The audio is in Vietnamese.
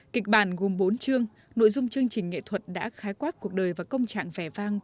kịch bản gồm bốn chương nội dung chương trình nghệ thuật đã khái quát cuộc đời và công trạng vẻ vang